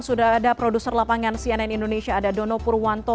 sudah ada produser lapangan cnn indonesia ada dono purwanto